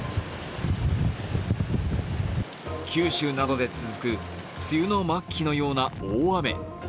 九州などで続く梅雨の末期のような大雨。